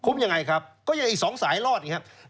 คุ้มยังไงครับก็ยังอีก๒สายรอดอย่างนี้ครับ